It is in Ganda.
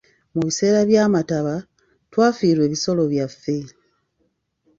Mu biseera by'amataba, twafiirwa ebisolo byaffe.